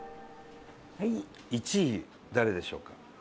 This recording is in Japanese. １位誰でしょうか？